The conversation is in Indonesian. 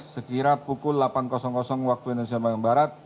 sekira pukul delapan wib